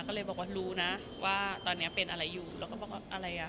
ก็เลยบอกว่ารู้นะว่าตอนนี้เป็นอะไรอยู่แล้วก็บอกว่าอะไรอ่ะ